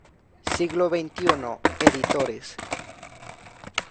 Siglo Veintiuno editores.